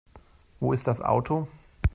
Wo ist das Auto?